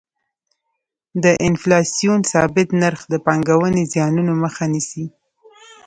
د انفلاسیون ثابت نرخ د پانګونې زیانونو مخه نیسي.